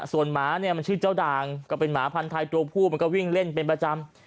ส่วนหมาเนี่ยมันชื่อเจ้าด่างก็เป็นหมาพันธัยตัวผู้มันก็วิ่งเล่นเป็นประจำ